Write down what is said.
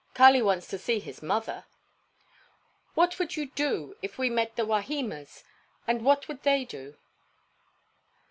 "Kali wants to see his mother." "What would you do if we met the Wahimas, and what would they do?"